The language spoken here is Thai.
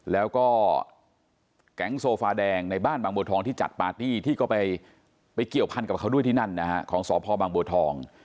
แล้วก็แก๊งโซฟาแดงในบ้านบางบัวทองที่จัดปาร์ตี้ที่ก็ไปเกี่ยวพันกับเขาด้วยที่นั่นนะฮะของสพบางบัวทอง